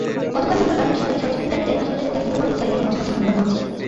গতকাল মঙ্গলবার সকালে সরেজমিনে দেখা যায়, হাসপাতালের ডায়রিয়া ওয়ার্ডের চারদিকে মশা-মাছি ভনভন করছে।